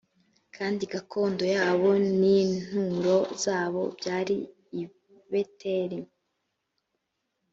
kandi gakondo yabo n’inturo zabo byari i beteli